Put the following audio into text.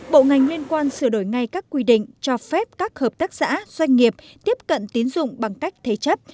bộ ngành liên quan sửa đổi ngay các quy định cho phép các hợp tác xã doanh nghiệp tiếp cận tín dụng bằng cách thế chấp